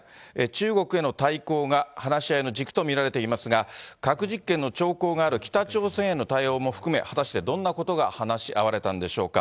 中国への対抗が話し合いの軸と見られていますが、核実験の兆候がある北朝鮮への対応も含め、果たしてどんなことが話し合われたんでしょうか。